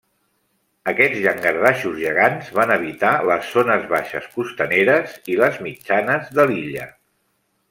Aquests llangardaixos gegants van habitar les zones baixes costaneres i les mitjanes de l'illa.